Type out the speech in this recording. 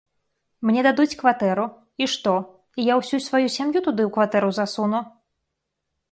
Мне дадуць кватэру, і што, і я ўсю сваю сям'ю туды у кватэру засуну?